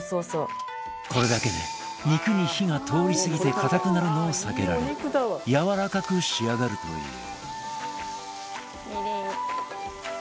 これだけで肉に火が通りすぎて硬くなるのをさけられやわらかく仕上がるという。